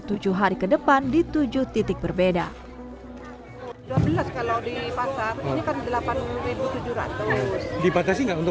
tujuh hari ke depan di tujuh titik berbeda dua belas kalau di pasar ini kan delapan puluh tujuh ratus dibatasi enggak untuk